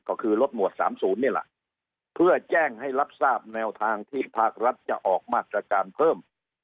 ก็คือลดหวด๓๐นี่แหละเพื่อแจ้งให้รับทราบแนวทางที่ภาครัฐจะออกมาตรการเพิ่ม